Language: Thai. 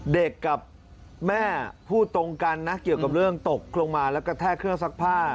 เด็กกับแม่พูดตรงกันนะเกี่ยวกับเรื่องตกลงมาแล้วกระแทกเครื่องซักผ้า